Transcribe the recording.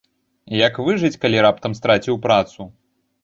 Як выжыць, калі раптам страціў працу?